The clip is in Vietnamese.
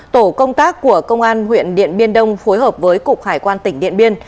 tổ công tác của công an huyện điện biên đông phối hợp với cục hải quan tỉnh điện biên